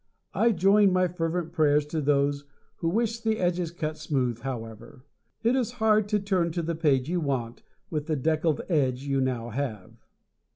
I join my fervent prayers to those who wish the edges cut smooth, however. It is hard to turn to the page you want, with the deckle edge you now have.